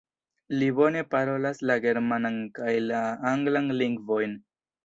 Li bone parolas la germanan kaj la anglan lingvojn.